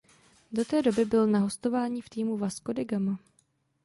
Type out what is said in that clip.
Do té doby byl na hostování v týmu Vasco da Gama.